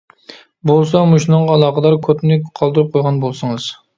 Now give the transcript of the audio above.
بولسا مۇشۇنىڭغا ئالاقىدار كودنى قالدۇرۇپ قويغان بولسىڭىز.